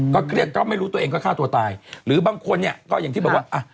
เครียดก็ไม่รู้ตัวเองก็ฆ่าตัวตายหรือบางคนเนี่ยก็อย่างที่บอกว่าอ่ะ